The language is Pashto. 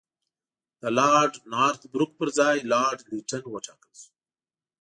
د لارډ نارت بروک پر ځای لارډ لیټن وټاکل شو.